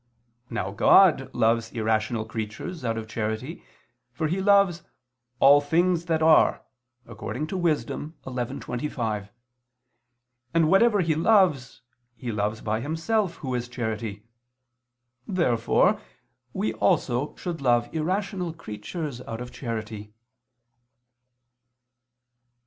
Now God loves irrational creatures out of charity, for He loves "all things that are" (Wis. 11:25), and whatever He loves, He loves by Himself Who is charity. Therefore we also should love irrational creatures out of charity.